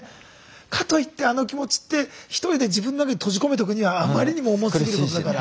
かといってあの気持ちってひとりで自分の中に閉じ込めておくにはあまりにも重すぎることだから。